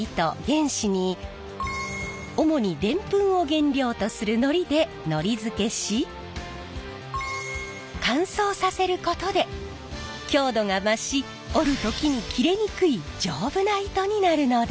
原糸に主にでんぷんを原料とするのりでのりづけし乾燥させることで強度が増し織る時に切れにくい丈夫な糸になるのです。